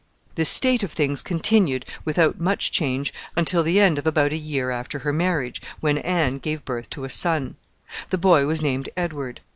This state of things continued, without much change, until the end of about a year after her marriage, when Anne gave birth to a son. The boy was named Edward.